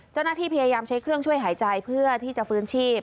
เจ้าหน้าที่พยายามใช้เครื่องช่วยหายใจเพื่อที่จะฟื้นชีพ